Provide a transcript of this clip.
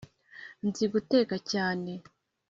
Nzi guteka cyane